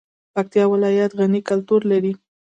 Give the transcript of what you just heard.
پکتیا ولایت غني کلتور لري